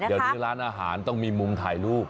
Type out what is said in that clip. เดี๋ยวนี้ร้านอาหารต้องมีมุมถ่ายรูป